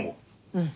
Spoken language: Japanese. うん。